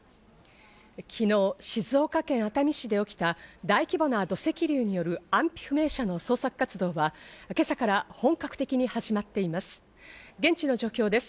昨日、静岡県熱海市で起きた大規模な土石流による安否不明者の捜索活動は今朝から本格的に始まっています。